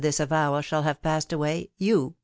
ibis uvewal shall have passed away, you .